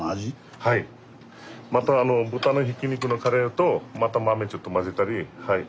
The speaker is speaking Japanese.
また豚のひき肉のカレーとまた豆ちょっと混ぜたりはい。